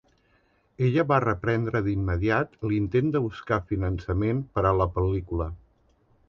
Ella va reprendre de immediat l'intent de buscar finançament per a la pel·lícula.